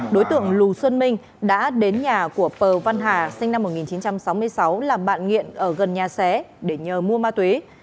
đối tượng lù xuân minh đã đến nhà của pờ văn hà sinh năm một nghìn chín trăm sáu mươi sáu làm bạn nghiện ở gần nhà xé để nhờ mua ma túy